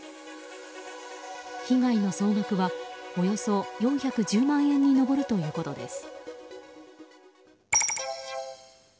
被害の総額はおよそ４１０万円に上るということです。